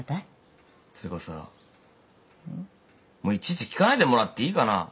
もういちいち聞かないでもらっていいかな。